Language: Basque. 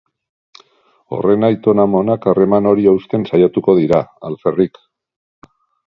Horren aitona-amonak harreman hori hausten saiatuko dira, alferrik.